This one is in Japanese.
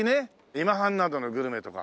今半なんかのグルメとか。